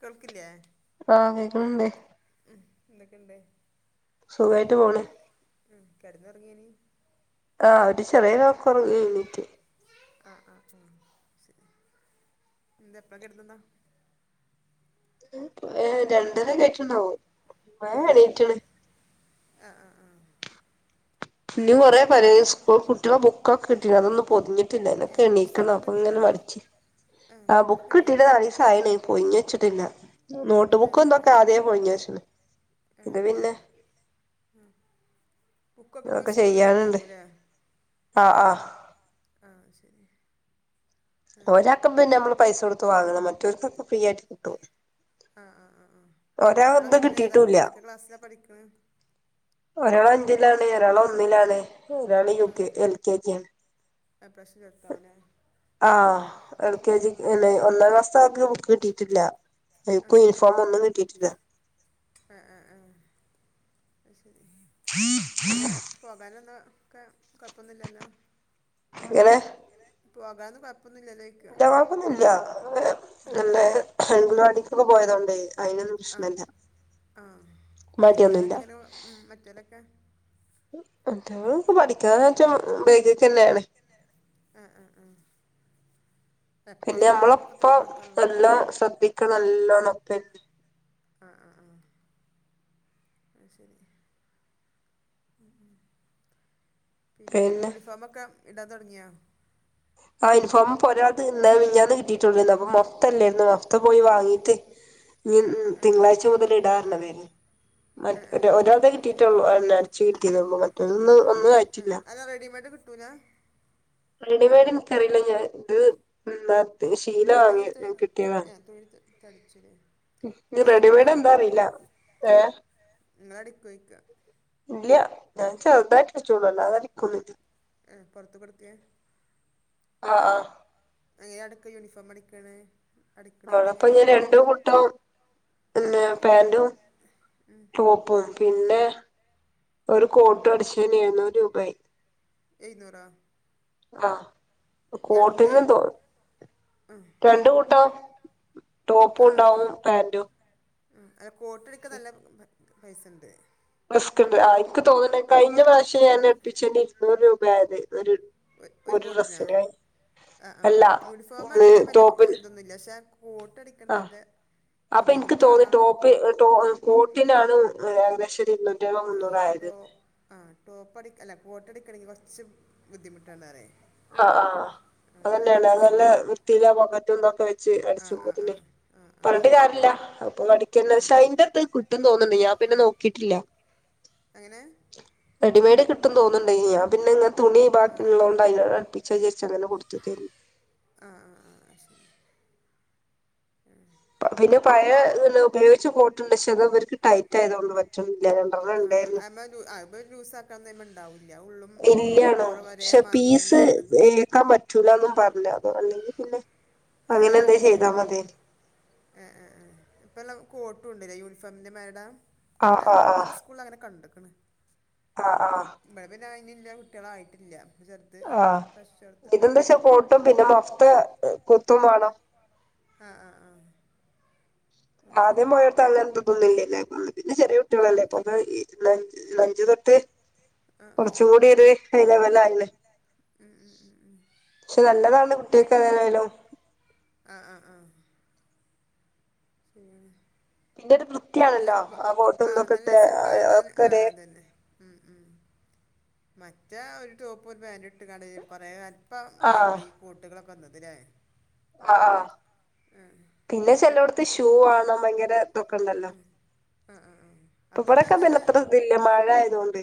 കേൾക്കില്ലേ? ആഹ് കേക്കണണ്ട് എന്തൊക്കെണ്ട്? സുഖമായിട്ട് പോണ്. കെടന്നൊറങ്ങേനി ആഹ് ഒര് ചെറ്യോരൊറക്കം ഒറങ്ങി എണീറ്റ് ആ ആ ആ ശരി എന്താ [unintelligible] ഏ രണ്ടരക്കെ ആയിട്ടുണ്ടാവും ഏ വേം എണീറ്റണ് ആ ആ ആ അത് പിന്ന ശരി കൊറേ പണി സ്കൂൾ കുട്ടികളെ ബുക്കൊക്കെ കിട്ടീ അതൊന്നും പൊതിഞ്ഞിട്ടില്ല ഏ അയിനൊക്കെ പുസ്തകം എണീക്കണം ഇപ്പം അപ്പൊ ഇങ്ങനെ കിട്ടിയിട്ടുള്ളൂ മടിച്ചു ഏ ആ ഇപ്പം ബുക്ക് കിട്ടിയിട്ടു കിട്ടീട്ട് നാലീസായണ് പൊതിഞ്ഞച്ചിട്ടില്ല നോട്ട് ഏ ബുക്ക് ഏ എന്തൊക്കെ ആദ്യേ പോയിഞ്ഞച്ചന് ഏ ഇത് ഏ പിന്നെ ബുക്കൊക്കെ ഇങ്ങ് അതൊക്കെ സ്കൂളിൽ നിന്ന് ചെയ്യാനുണ്ട് കിട്ടുമായിരിക്കുമല്ലേ ആ ആഹ് ആ ശരി ആ ഒരാക്കമ്മള് പൈസ കൊടുത്ത് വാങ്ങണം മറ്റോർക്കൊക്കെ ഫ്രീ ആയിട്ട് കിട്ടും ആ ആ ആ ആ ഒരാള് കുട്ടികളൊക്കെ എന്തും എങ്ങനെ ഏതാ കിട്ടീട്ടുല്ല ഏതൊക്കെ ക്ലാസ്സിലാണ് പഠിക്കണേ ഒരാൾ അഞ്ച [unintelligible] ഒരാള് ഒന്നിലാണ് ഓരാള് യു ആ കെ ആ ജി എൽ കെ ജിയാണ് ആ ഇപ്രാവശ്യം ചേർത്താവൂല്ലേ ആ എൽ കെ ജി അല്ലെ ഒന്നാം ക്ലാസ് ആൾക്ക് ബുക്ക് കിട്ടിയിട്ടില്ല ബുക്കും യൂണിഫോം ഒന്നും കിട്ടിയിട്ടില്ല ആഹ് ആ ആഹ് എങ്ങനെ പോകാനൊന്നും ആ കൊഴപ്പൊന്നും ഇല്ലല്ലോ? പോകാന്ന് പർ ഇല്ലാ കൊഴപ്പൊന്നും ഇല്ല [unintelligible] സ്‌കൂള് പോയതുകൊണ്ടെ ആ ആഹ് മടിയൊന്നുല്ല പഠിക്കാനൊക്കെ അങ്ങനെ ഉ മറ്റേലൊക്കെ ഞങ്ങള് ഉം പഠിക്കാനാച്ച ബേക്ക്ക്ക് തന്നെയാണ് ആ ആ ആ പിന്നെ എപ്രാവശ്യം ഇതിപ്പോൾ നമ്മളൊപ്പം തുടങ്ങിയിട്ടുള്ളൂ നല്ലോം ഉം. ശ്രദ്ധിക്കണം നല്ലോണം പ്പ ഉം ഉം ഉം പിന്നെ യൂണിഫോമൊക്കെ ഇടാൻ തുടങ്ങിയാ ആ ഇൻഫോം ഒരാത് ഇന്ന മിനിഞ്ഞാന്ന് കിട്ടിയിട്ടുള്ളിന്നു അപ്പൊ മൊത്തല്ലൃരുന്നു ത്ത പോയി വാങ്ങീട്ട് ഇനി ആ തിങ്കളാഴ്ച മുതൽ ഇടാർന്നഞ്ഞത് ആ ആ മറ്റെ ആ ഒരാൾടെ ആ. കിട്ടിയിട്ടുള്ളൂ അടിച്ചി [unintelligible] ന്ന് കഴ്ചില്ലാ ട്ടൂല റെഡിമെയ്ഡ് എനിക്കറിയില്ല ഞാൻ ഇത് ഞാൻ ശീല വാങ്ങിയത് കിട്ടിയതാ തടിച്ചത് റെഡിമെയഡ് എന്താ അറിയില്ല ഏ ന്ന്ടിക്കുവായിക്ക ഇല്ല ഞാൻ ചെറുതായിട്ട് തച്ച്ള്ളു അല്ലാതെ അടിക്കൊന്നുവില്ല ആ പൊറത്ത് കൊടുക്ക് ആ ആ അങ്ങനെയാ അടുക്ക യൂണിഫോം അടിക്കണ് അവ്ടെ അപ്പം ഞാൻ രണ്ടും കൂട്ടവും പിന്നെ പാൻറും ടോപ്പും പിന്നെ ഒരു കോട്ട് അടിച്ചെന് എഴുന്നൂറ് രൂപായി എഴ്നൂറാ ആ കോട്ടെന്ന് ന്തോ രണ്ട് കോട്ടാ ടോപ്പും ഉണ്ടാവും പാന്റും ഉ അത് കോട്ട്ടിക്ക നല്ല പൈസുണ്ട് റിസ്ക്ണ്ട് ആ എനിക്ക് തോന്നണ് കഴിഞ്ഞ പ്രാവശ്യം ഞാൻ എടുപ്പിച്ചന് ഇരുന്നൂറ് രൂപയായത് ഒരു ഒരു കോട്ടിനാ ആ ആ ആ അല്ല യൂണിഫോം അടിക്കാൻ വല്ല ഇതൊന്നുല്ല പക്ഷേ ആ അപ്പൊ എനിക്ക് തോന്നി ബുദ്ധിമുട്ടാണാണു ടോപ്പ് ടോ കോട്ടിനാണ് ഏകദേശ [unintelligible] രൂപ ആ മുന്നൂറായത് ടോ ആ ടോപ്പ് അടി അല്ല കോട്ടടിക്കണെങ്കിൽ കുറച്ച് ബുദ്ധിമുട്ടാണെന്നുറയേ ആ ആ അങ്ങനെയാണ് അത് പൈസ നല്ല ഉണ്ട് വൃത്തിയില് പൊക്കറ്റോണ്ടാക്കി വെച്ച് ആ അടിച്ചു ആ ആ പോവത്തില്ലേ ആ ആ പറഞ്ഞിട്ട് കാര്യല്ലൃ അപ്പൊ അടിക്കണ ആ പക്ഷേ അയിന്റെറത്ത് കുറ്റം തോന്നണില്ല പിന്നെ നോ കിട്ടില്ല അങ്ങനെ റെഡിമെയ്ഡ് കിട്ടും തോന്നുന്നുണ്ട് ഞാൻ പിന്നെ തുണി ബാക്കിയൊള്ളണ്ട് അയിന് യ്ച്ചങ്ങനെ കൊടുത്ത് തീർന്നു ആ ആ ആ അയ്സെരി [unintelligible] പിന്നെ പഴേ ഉപയോഗിച്ച കോട്ടുണ്ട് ക്ഷേ അത് ഇവർക്ക് ടൈറ്റ് ആയതകൊണ്ട് പറ്റുന്നി ഇല്ലണ്ടന്ന ഉണ്ടായിരുന്നു രൂസ മണ്ടാവും ഇല്ലാണോ പക്ഷെ മാതിരിയല്ലേ പീസ് വരുന്നത് ഏക്കാൻ പറ്റൂലന്നും പറഞ്ഞ അതോ അല്ലെങ്കിൽ പില്ല ആഹ ആ ആഹ ആഹ ആ ആ ഇപ്പല്ലാം കോട്ടും ഉണ്ടല്ലേ യൂണിഫോമിന്റെ മരുട ആഹ് അല്ല കൊറെേ സ്കൂള് അങ്ങനെ കണ്ട [unintelligible] ആഹ ആഹ ന്നില്ല കുട്ടികളായിട്ടില്ല ഇപ്പൊ ചെറുത് ആഹ ഫ്രഷ് ചേർത്തിട്ടുള്ളൂ ഇതെന്താ വെച്ചാ പട്ടും പിന്നെ മൊഫത കൊത്തും വേണോ ആഹ ആ ആ അത് അതെ ശരി മയിർത്തല്ല എുള്ളല്ലേ പിന്നെ ചെറിയ കുട്ടികളല്ലേ ഇപ്പൊ ലച് ലഞ്ച് തൊട്ട് ആ ആ കുറച്ച കൂടിരു അല വല [unintelligible] ഉം, ഉം, ഉം, ഉം. പക്ഷെ നല്ലതാണ് കുട്ടികക്ക് തോയാലും ആഹ ആ ആ [unintelligible] പിന്നെ ഒരു അല്ല വൃത്തിയാണല്ലോ വ- ആ ബോട്ട നല്ല എന്തൊക്കെട്ടെ രസം കാണാൻ ആ ഒക്കര അതന്നെ ഉം, ഉം. മറ്റേ ഒരു ടോപ്പ് ഒരു പാൻറ് ഇട്ട് കട കൊറേ കാല ഇപ്പം ആയിട്ടുള്ള ഈ കോൂട്ടുകളൊെ വന്നതില്ലേ ആ ആ പിന്നെ ചെിലോട ഷൂ ആണോ ഭയങ്കര ഇതൊക്കെ ഉണ്ടല്ലോ ഉ ആ ആ ആ ഇപ്പൊ അക്കെട്ട ഇവിടൊക്കെ നല്ല പിന്നെ അത്ര ഇതില്ല മഴ ആയതുകൊണ്ട്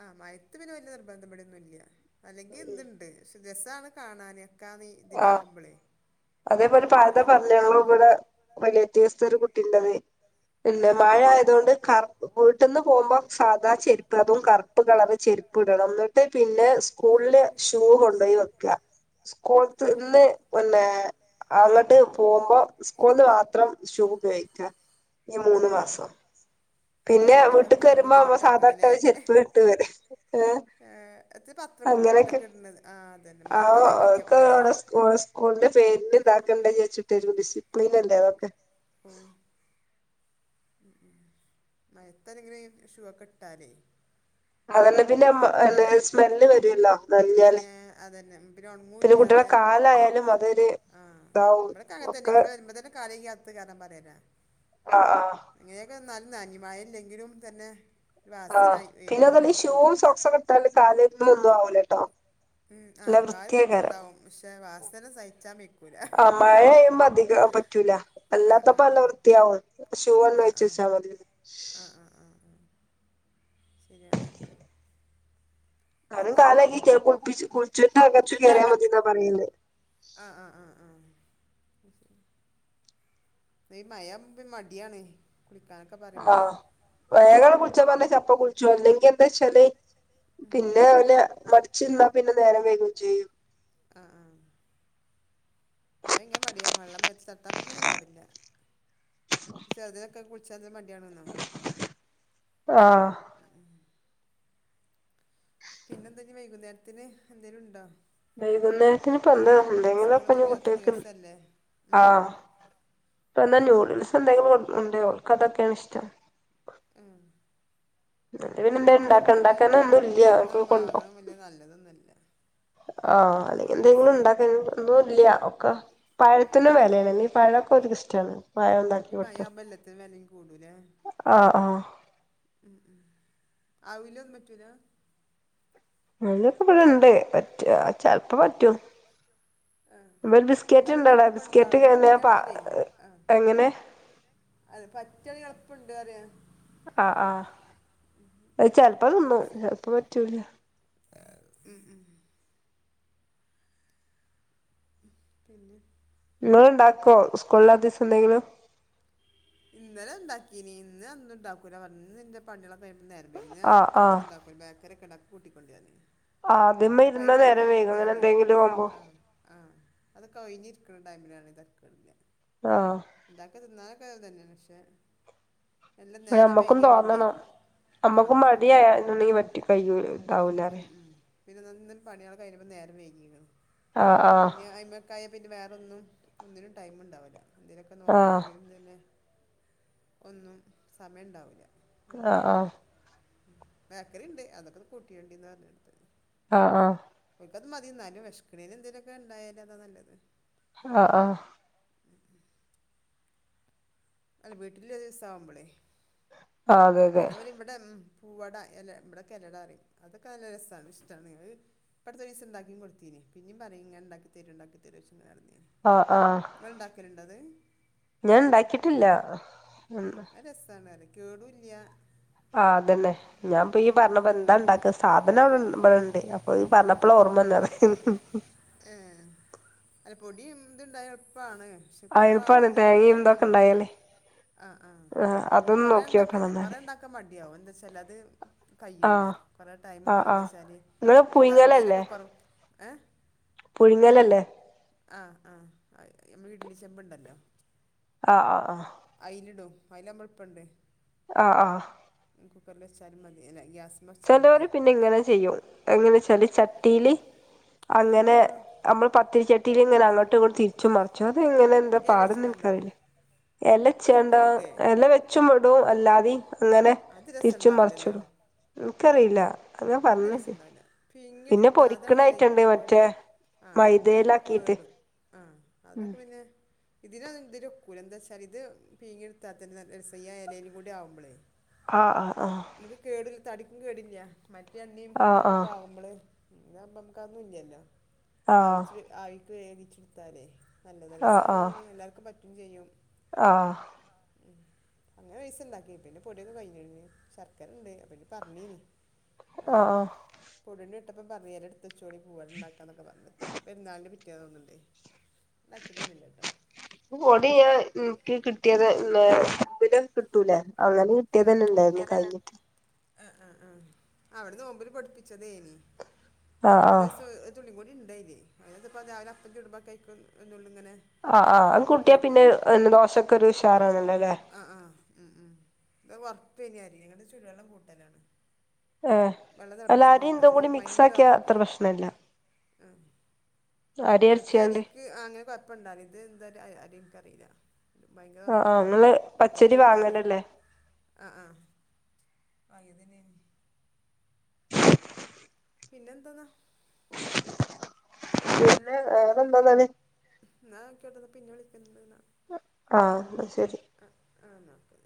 ആ മയത്ത് പിന്നെ വലിയ നിർബന്ധപ്പെടൊന്നുംല്ല അല്ലെങ്കി എന്ണ്ട് ക്ഷ രസമാണ് കാണാാന് ക്കാനി ആഹ് ദിനാവ്പളെ അതേപോലെ പഴത പറഞ്ഞളോ ഇവിടെ വിലിയറ്റീവ്സ് ചെറുകുട്ടുള്ളത് പിന്നെ മഴ ആയതുകൊണ്ട് കറ വീട്ടന്ന് പോകുമ്പോ സാദാ ശെരി അതും കറു് കളർ ചെരുപ്പിടണം എന്നിട്ട് പിന്നെ സ്കൂളില് ഷൂ കൊണ്ടപോയി വെക്ക സ്കൂളന്ന് പിന്നെ- അങ്ങോട്ട് പോകുമ്പോ സ്കൂളില് മാത്രം ഷൂപയോഗിക്ക ഈ മൂന്ന് മാസം ഇത് പിന്നെ അങ്ങനെയൊക്കെ വീട്ടക്ക് എത്ര വരുമ്പോമ്മ സാധാരണട്ട ബുദ്ധിമുട്ടാക്കണല്ലേ ഒരു ചെരുപ്പ് കട്ട് വര എത്ര ആ അത്ര ബുദ്ധിമുട്ട് ഒക്കെ എടുക്കുന്നത് എന്തിനാ ആ ഒക്കടെ സ്കൂളിന്റെ പേരി- ഇാക്കണ്ട ചച്ചുട്ട ഇപ്പനല്ലേൊക്കെ [unintelligible] ഉ [unintelligible] ഉ ഉ മഴയത്തു ഇങ്ങനെ ഷു ഇട്ടാലെ ഒക്കെ അതന്നെ പിന്നെ എസ്മെല്ല് വരുല്ലോ നല്ലഞ്ഞാല് ഏ അതന്നെ ഉം, പിന്നെ കുട്ടികുടെ ഉണങ്ങൂല്ലാതെ ഉം. കാലായാലും അതൊരു ആ ഇതാവും നമ്മളൊക്കെ അങ്ങനെ തന്നെ ഒക്കെ ഇങ്ങോട്ട് വരുമ്പോൾ തന്നെ കാലേക്ക് അകത്ത് കാരണം ആഹ ആഹ വേഗം നല്ല അനി വയല്ലെങ്കിലും തന്നെ [inaudible] ആഹ പിന്നെ അതല്ല വരുന്നറിയേ ഷൂ സോക്സ കിട്ടല് കാല ഒന്നും ആ- ഉം ആഹ കാല് വൃത്തി ഉണ്ടാവും പക്ഷെ അവസ സഹിച്ചാ ആ മഴപെയ്യുമ്പോൾ പറ്റൂല ആ ആ അല്ലാത്തപ്പ ആ നല്ല ആ വൃത്തിയാവും. ഷൂ ആ വെച്ചാൽ മതി ശരി അാന കാലാക്കി കേപ്പ കുളിച്ചിട്ട് അകത്ത് കേയറിയാ മതി എന്നാ പറയല്ലേ മഴ ആന്നുവെങ്കിൽ മടി ആണ് ആഹ് വേഗം കുളി [unintelligible] ആ [unintelligible] കുളിച്ചോല്ലെങ്കിൽ എന്താണ് വച്ചാല് പിന്നെ അല്ലെ മടിച്ചു നിന്നാ പിന്നെ നേര വൈകു ചെയും ആ ആ ഇവിടെ ഭയങ്കര മടിയാ വെള്ളം [unintelligible] പാടില്ല പക്ഷെ അത് കുളി [unintelligible] [inaudible] [unintelligible] ന്നോ ആഹ് പിന്നെ എന്താ വൈകുന്നേരത്തിന് എന്തേലും ഉണ്ടോ വൈകുന്നേരത്തി [unintelligible] ന്ത എന്തെങ്കിലും സ്കൂളൊന്നും ഇല്ലാത്ത കുട്ടികൾക്ക് ദിവസല്ലേ ആ ഉം [unintelligible] നൂഡിൽസ് എന്തെങ്കിലും ഉണ്ടോ അതൊക്കെയാ [unintelligible] ഇഷ്ടം ഉം പിന്നെ എന്തണ്ടാക്ക ദിവസൊന്നുമില്ല ഇണ്ടാക്കാ ഉം നോന്നും ഇല്ല്യ എന്നും കൊണ്ടോ വാങ്ങണം വലിയ നല്ലതൊന്നുമല്ല ആ അല്ലെങ്ങി നൂഡിൽസ് എന്തെങ്കിലുണ്ടാക്ക ഒന്നും ഇല്ല്യ ക്ക പഴത്തിനും വെലേണ്, അല്ലേ പഴൊക്കെ ഓര്ക്കിഷ്ടാണ്. പഴം ഇണ്ടാക്കി ഈ കൊട്ത്താ മഴയാവുമ്പോ എല്ലാത്തിനും വെലയും ആഹ് ആഹ് അവ്‌ലൊന്നും പറ്റൂലാ? [unintelligible] ഇബടെ ഇണ്ട് പറ്റാച്ചാൽ ഇപ്പ പറ്റും ആ [unintelligible] ബിസ്കറ്റ് ഇതൊക്കെ പിന്നെ ഉണ്ട്‌വ്ടെ ബിസ്കറ്റ് എളുപ്പണ്ടാവണം പറ്റാണെങ്കിലേ [unintelligible] ആ അങ്ങനെ പ്പണ്ട് അറ്യ ആഹ് ആഹ് അത് തേങ്ങയും ചെലപ്പോ തിന്നും പഞ്ചസാ ചെലപ്പോ പറ്റൂല്യ ഉം ഉം പിന്നെ നിങ്ങള്ണ്ടാക്കോ ഉസ്കൂളില്ലാ ദിവസന്തെങ്കിലും? ഇന്നലെ ഇണ്ടാക്കീനി ഇന്ന് ഒന്നും ഉണ്ടാക്കൂല പറഞ്ഞ് ഇന്ന്ന്റെ പണികള കഴി നേരം [unintelligible] ഞാൻ ആഹ് കടിന്നുണ്ടാക്കുല ബേക്കറിക്കെണ്ടാക്കും കൂട്ടിക്കോണ്ടി യാന് ആ അതിമ്മ ഇരുന്നാ നേരം വൈകും അങ്ങനെ എന്തെങ്കിലും ആവു മ്പോ അതൊകെ ഒഴിഞ്ഞിരിക്ണ ടൈമിലാണ് [unintelligible] ആഹ് ഇണ്ടാക്കാതന്നാൽ ക്കേ തന്നെ പക്ഷെ എല്ലാം നേരം നമ്മക്കും വൈകിയാ തോന്നണം. പിന്നെയും ആ നമ്മക്കും അതാണ് മടിയായാ ന്നുണ്ടെങ്കി പറ്റി കഴിയൂല. ഉം ആവൂലാറിയാ. ഉം പിന്നെ നാ ഇന്നന്നെ പണിയാൾ കഴിഞപ്പ നേരം വൈകീക്ക്ണ് ആഹ് പിന്നെ അയിമക്കായാ പിന്നെ വേറൊന്നും ഒന്നിനും ടൈം ഉണ്ടാവുല്ല ഏന്തോലൊക്കെ ആഹ് നോക്കണെങ്കിലും തന്നെ ഒന്നും സമയണ്ടാവുല്ല ആഹ് ആ ബെക്കറിണ്ട്. അതൊക്കൊന്ന് കൊട് ക്കേണ്ടിന്ന് പറഞ്ഞൊടുത്ത്. ആഹ് ആഹ് അത് മതിന്നാലും വേശക്കണെന് എന്തേലൊക്കെ ണ്ടായാല് അതാ നല്ലത് ആഹ് ആഹ് അല്ല വീട്ടില് ഒരു ദിവസ ആവുമ്പളെ ആഹ് അതെ അതെ അവര് ഇവിടം പൂവട എലട ഇവിടൊക്കെ എലടപറയും അതൊക്കെ നല്ല രസാണ് ഇഷ്ട്ടാണ്ഈ ഇപ്പടുത്തൊരീസം ഉണ്ടാക്കിം കൊടുത്തിനിം പിന്നിം പറയും ഇങ്ങനെ ഉണ്ടാക്കിത്തരോ ഉണ്ടാക്കിതരോ ആഹ് ആഹ് അത് ഞാൻ ഉണ്ടാക്കിട്ടില്ല കേടുല്യ ആ അതന്നെ ഞാൻപ്പൊ യ്യ് പറഞ്ഞപ്പപ്പോ എന്താണ്ടാക്ക സ് സാധനം ഇവി ബടെണ്ട് അപ്പൊ ഈ പറഞ്ഞപ്പളാ ഓർമ്മന്നത് ഏ അല്ല പൊടിയും ഇതുണ്ടായ എളുപ്പാണ് പക്ഷെ ആ എളുപ്പാണ് കൊറെആളൊന്നും ഇല്ലെങ്കി തേങ്ങയും ഉം ഇതൊക്കെ ഇണ്ടായാലേ ആഹ് ആഹ് അതൊന്ന് നോക്കിയോക്കണം കൊറെേണ്ടാക്കരുത് എന്നാല് കൊറെണ്ടാക്കാൻ മടിയാവും എന്താച്ച് ചെലത് കയ്യൂല ആഹ് കൊറെ ആഹ് ടൈംവാണ് ആഹ് എന്താച്ചാല് നിങ്ങള് എന്താ എന്തേലൊക്കെ കൊറ ഏ പുഴ്‌ങ്ങലല്ലേ ആഹ് ആഹ് മ്മ വീട്ടില് ചെമ്പുണ്ടല്ലോ ആഹ് ആഹ് ആഹ് അയിൽടും അയിൽമ്മ ഇപ്പണ്ട് ആഹ് ആഹ് കുക്കറില്ച്ചാ മതിലെ ഗ്യാ ചെലവര് പിന്നെ ഇങ്ങനെ ചെയ്യും എങ്ങനെച്ചാല് ചട്ടില് അങ്ങനെ മ്മള് പത്തിരിചട്ടില് ഇങ്ങനെ അങ്ങോട്ടും തി ച്ചും മറച്ചും ആ അത് ഇങ്ങനെ എന്താ ഇല വെച്ച് പാടന്ന് കണ്ടോ നിക്കറില്ല എലച്യാഡ ചുട്ടെടുക്കേ എല വെച്ചും ടും അല്ലാതിം അങ്ങനെ അത് രസം തിരിച്ചും ഉണ്ടാവില്ലല്ലോ മറിച്ചുടും എൻക്കറിയില്ല അത് രസണ്ടാവില്ല പിഴിങ്ങിടുത്ത പൊരിക്കണ അതാണല്ലേ ഈ ആയിട്ടുണ്ട് പൂവ മറ്റേ ആ അതൊക്കെ പിന്നെ നമുക്ക് മൈദയിലാക്കിയിട്ട് കേടും ആഹ് ഉം അതൊക്കെ പിന്നെ ഇതിന് എന്തിലൊക്കൂല എന്താച്ചാലെ ഇത് പീങ്ങിടുത്താതന്നേ നല്ലരസാ ഇലേലും കൂടി ആവുമ്പോളേ ആ ആ ആ തടിക്ക കേടില്ല മറ്റേന്നം ഇതൊക്കെ ആഹ് ആകുമ്പള് ഇ നമക്കൊന്നും ഇല്ലല്ലോ ആഹ് ആഹ് ആയിച്ച ആയി േടിച്ചിടുത്താര നല്ല രസമാണ്ാണ് എല്ലാവർക്കും പറ്റ പി ചെയയ്യും ആഹ ഉ അന്ന പൈസ ഇന്താക്കി പിന്നെ പൊടിയൊക്കെ കഴിഞ്ഞു ശർക്കരണ്ട് അപ്പ പറഞ്ഞീന് ആഹ് ഉ പന്ന ഇപ്പ പറുരോ ച്ചടി [unintelligible] ഉണ്ടാകാനെയൊകെ പറഞ്ഞിനെ പെരുന്നാളിന്റെ പി [unintelligible] ഓടി എനിക്കിട്ട കിട്ടിയതെന്നെ [unintelligible] കിട്ടൂല അങ്ങനെ കിട്ടിയത് തന്നെ ഇണ്ടായിരുന്നു കഴിഞ്ഞിട്ട് ആ ആ ആ അവിടെന്ന് നോമ്പില് പൊടിപ്പിച്ചതേനി ആഹ് ഇത്ര ആഹ് ദിവസം ഒരു തുളികുടി ണ്ടായിന്നെ [unintelligible] രാവിലെ അപ്പം ചുടുപോ കഴിക്കാ [unintelligible] ആ ആ കുട്ടിയാ പിന്നെ ദോശൊക്കെ ഒരു ഉഷ അങ്ങനെ [unintelligible] [unintelligible] ആും ഞങ്ങളുടെ ചുടുവെള്ളം കൂട്ടലാണ് ഏ വെള്ളം [unintelligible] തിളപ്പിച്ച് അരി കൂട്ടും ഇതും കൂടി അല്ലെങ്കിൽ മിക്സ് ഭയങ്കര ആക്കിയ അത്ര ഉറപ്പ് പ്രശ്നല്ല അരി മറ്റ അരച്ചാണ്ട് അരിക്ക് അങ്ങനെ കൊഴപ്പ ഇണ്ടാല ഇത് എന്താ അരി നിക്കറിയില്ല ഭയങ്കര ആഹ് ആഹ് ഉറപ്പാണ് നിങ്ങള് അപ്പൊക്കെ പച്ചരി ചുട്ടാല് വാങ്ങലല്ലേ ആ ആ ആയ്തന പിന്നെന്താെന്നാ പിന്നെ വേറെ എന്താന്നാണ് ന്ന കേട്ടന്ന പിന്നെ വിളിക്കണ്ടെന്ന ആ ശരി ആ [unintelligible]